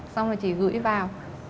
xong rồi chị gửi vào